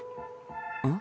「うん？